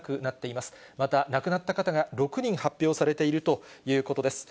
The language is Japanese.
また亡くなった方が６人発表されているということです。